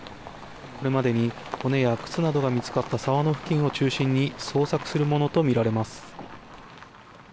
これまでに骨や靴などが見つかった沢の付近を中心に捜索するものとみられます。